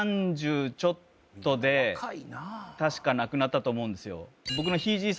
３０ちょっとで確か亡くなったと思うんですよえ